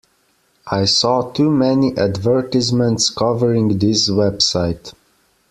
I saw too many advertisements covering this website.